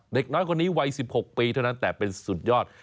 เด็กน้อยคนนี้วัย๑๖ปีเท่านั้นแต่เป็นสุดยอด